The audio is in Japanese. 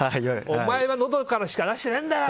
お前は、のどからしか出してないんだよ！